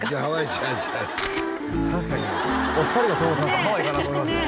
違う違う確かにお二人が揃うと何かハワイかなと思いますね